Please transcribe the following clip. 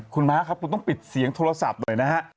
คุณม้าครับคุณต้องปิดเสียงโทรศัพท์หน่อยนะฮะ